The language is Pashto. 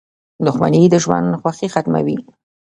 • دښمني د ژوند خوښي ختموي.